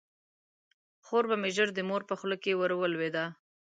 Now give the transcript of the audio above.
خور به مې ژر د مور په خوله کې ور ولویده.